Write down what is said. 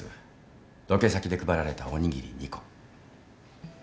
ロケ先で配られたおにぎり２個。